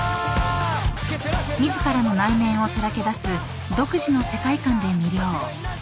［自らの内面をさらけ出す独自の世界観で魅了］